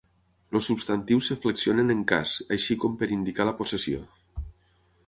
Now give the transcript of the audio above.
Els substantius es flexionen en cas, així com per indicar la possessió.